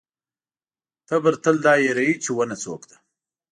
تبر تل دا هېروي چې ونه څوک ده.